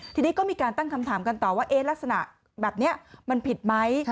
ทีนี้ก็มีการตั้งคำถามกันต่อว่าลักษณะแบบนี้มันผิดไหม